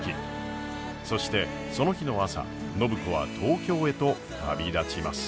そしてその日の朝暢子は東京へと旅立ちます。